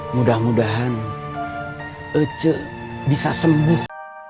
mudah mudahan ecek bisa sembuh